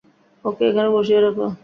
ওকে এখানে বসিয়ে রাখো।